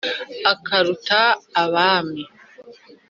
Akaruta Abami